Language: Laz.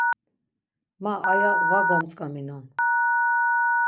Ma aya va gomtzǩaminon.